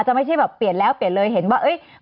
ไม่ใช่แบบเปลี่ยนแล้วเปลี่ยนเลยเห็นว่า